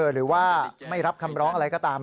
หรือว่าไม่รับคำร้องอะไรก็ตาม